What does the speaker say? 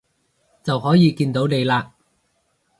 就可以見到你喇